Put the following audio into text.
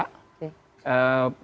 fungsionaris dan penduduk